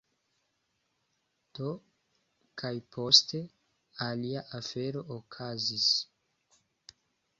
Do, kaj poste, alia afero okazis: